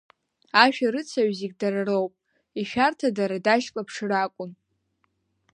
Ашәарыцаҩы зегь дарароуп ишәарҭадара дашьклаԥшыр акәын.